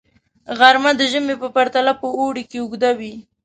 غرمه د ژمي په پرتله په اوړي کې اوږده وي